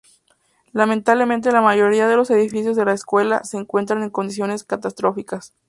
Lamentablemente la mayoría de los edificios de las escuelas se encuentran en condiciones catastróficas.